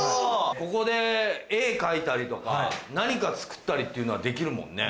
ここで絵描いたりとか何か作ったりっていうのはできるもんね。